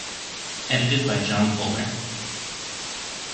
Edited by John Fuller.